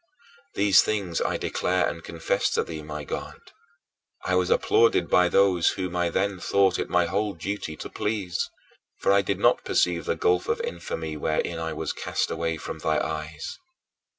These things I declare and confess to thee, my God. I was applauded by those whom I then thought it my whole duty to please, for I did not perceive the gulf of infamy wherein I was cast away from thy eyes.